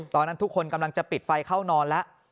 ตอนนั้นทุกคนกำลังจะปิดไฟเข้านอนแล้ว